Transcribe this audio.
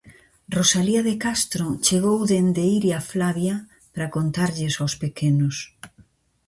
Rosalía de Castro chegou dende Iria Flavia para contarlles aos pequenos.